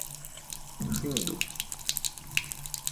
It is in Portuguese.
Findo